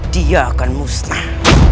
dia akan musnah